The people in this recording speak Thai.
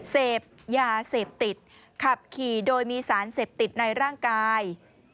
เสพยาเสพติดขับขี่โดยมีสารเสพติดในร่างกาย